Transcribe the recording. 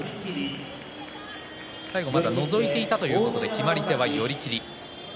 最後まだのぞいていたということで決まり手は寄り切り。